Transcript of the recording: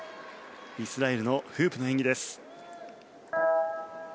イスラエルのフープの演技です。